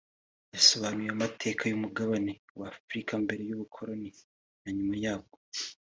yasobanuye amateka y’umugabane wa Afurika mbere y’ubukoroni na nyuma yabwo